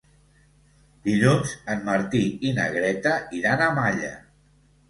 Dilluns en Martí i na Greta iran a Malla.